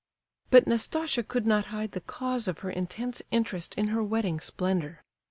But Nastasia could not hide the cause of her intense interest in her wedding splendour.